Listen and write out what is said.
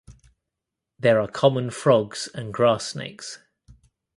There are common frogs and grass snakes.